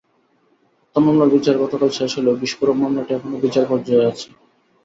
হত্যা মামলার বিচার গতকাল শেষ হলেও বিস্ফোরক মামলাটি এখনো বিচার পর্যায়ে আছে।